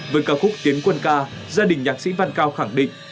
với ca khúc tiến quân ca gia đình nhạc sĩ văn cao khẳng định